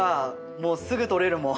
もうすぐ取れるもん。